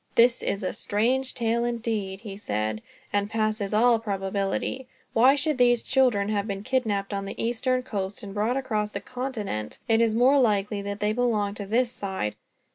"This is a strange tale, indeed," he said, "and passes all probability. Why should these children have been kidnapped on the eastern coast, and brought across the continent? It is more likely that they belong to this side.